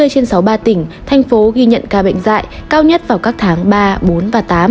ba mươi trên sáu mươi ba tỉnh thành phố ghi nhận ca bệnh dạy cao nhất vào các tháng ba bốn và tám